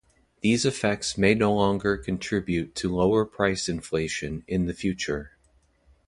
These effects may no longer contribute to lower price inflation in the future.